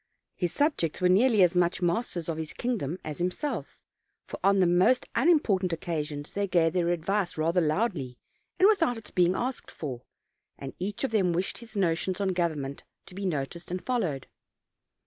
His subjects were nearly as much masters of his kingdom as himself, for on the most unimportant occasions they gave their advice ratner loudly and with out its being asked for; and each of them wished his notions on government to be noticed and followed.